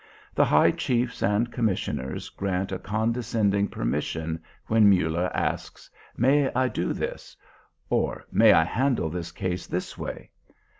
The high chiefs and commissioners grant a condescending permission when Muller asks, "May I do this? ... or may I handle this case this way?"